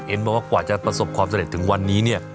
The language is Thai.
บอกว่ากว่าจะประสบความสำเร็จถึงวันนี้เนี่ย